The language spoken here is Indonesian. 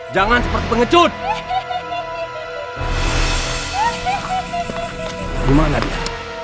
jangan lupa like share dan subscribe